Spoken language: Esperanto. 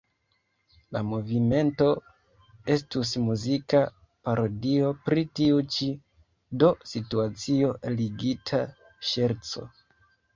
La movimento estus muzika parodio pri tiu ĉi, do situacio-ligita ŝerco.